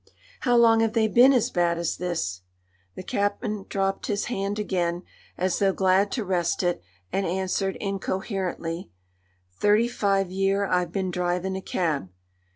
"How long have they been as bad as this?" The cabman dropped his hand again, as though glad to rest it, and answered incoherently: "Thirty five year I've been drivin' a cab."